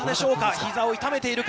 ひざを痛めているか。